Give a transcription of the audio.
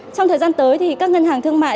trong thời gian tới thì các ngân hàng thương mại